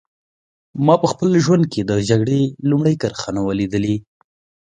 ما په خپل ژوند کې د جګړې لومړۍ کرښه نه وه لیدلې